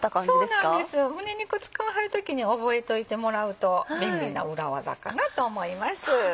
そうなんです胸肉使わはる時に覚えといてもらうと便利な裏技かなと思います。